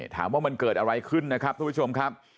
ถามว่ามันเกิดอะไรขึ้นนะครับทุกผู้ชมครับ